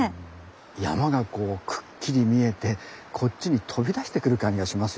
山がこうくっきり見えてこっちに飛び出してくる感じがしますよ。